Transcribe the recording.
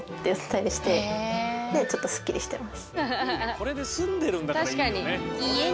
これで済んでるんだからいいよね。